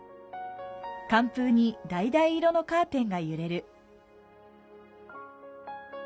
寒風にだいだい色のカーテンが揺れる。